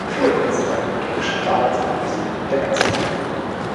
Viele Kunstwerke gingen schon damals an Museen in der ganzen Welt.